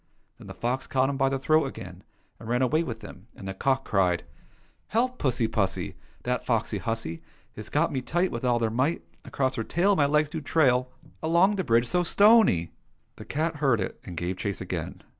Then the fox caught him by the throat again, and ran away with him, and the cock cried :'' Help I pussy pussy ! That foxy hussy Has got me tight With all her might. Across her tail My legs do trail Along the bridge so stony .'" The cat heard it, and gave chase again.